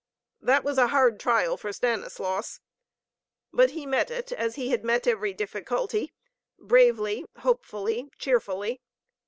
That was a hard trial for Stanislaus. But he met it as he had met every difficulty, bravely, hopefully, cheerfully.